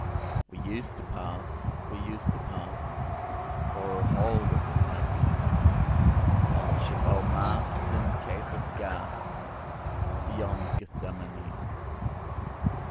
We used to pass—we used to passOr halt, as it might be, And ship our masks in case of gasBeyond Gethsemane.